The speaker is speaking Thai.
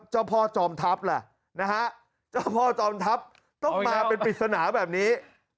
เจ้าพ่อจอมทัพล่ะนะฮะเจ้าพ่อจอมทัพต้องมาเป็นปริศนาแบบนี้